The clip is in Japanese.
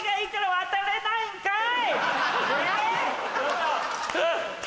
渡れないんかい。